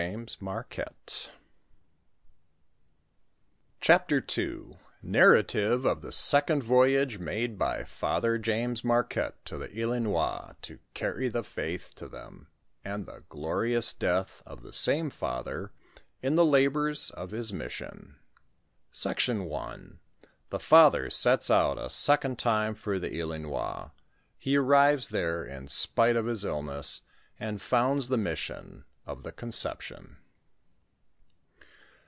■ i 4: ,j; CHAPTER 11. SARRATIVE OF TUB SECOND VOYAGB MADE BY FATHER JAMES MAftqVETTB TO THEILINOIS TO CARRY THE FAITH TO THEM, ASD THE OLORIOUS DEATH OF THE SAME FATHER Ilf THE LABORS OF HIS MISSIOS. ^^■ SECTION I. THE FATHER BETS OCT A SECOND TIME FOR THE ILINOIS^BE ASBIVES THERE IN SPITE OF HIS ILLNESS AND FOUNDS THE MISSION OF THE CON CEPTION.